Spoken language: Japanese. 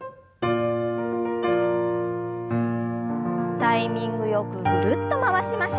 タイミングよくぐるっと回しましょう。